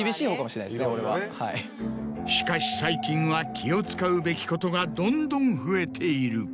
しかし最近は気を使うべきことがどんどん増えている。